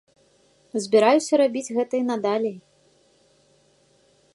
Збіраюся рабіць гэта і надалей.